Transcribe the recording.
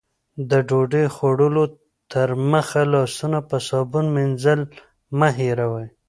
د ډوډۍ خوړلو تر مخه لاسونه په صابون مینځل مه هېروئ.